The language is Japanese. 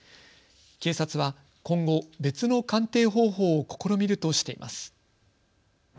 警察は今後、別の鑑定方法を試みるとしています。